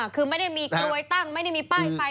คือไม่ได้มีกลวยตั้งไม่ได้มีป้ายไฟ